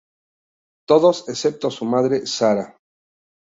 Todos, excepto su madre, Sara.